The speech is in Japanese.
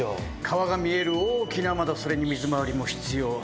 川が見える大きな窓それに水回りも必要。